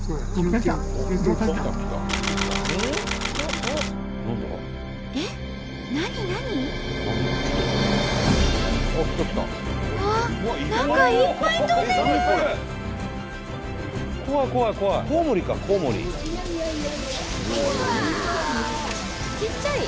ちっちゃい？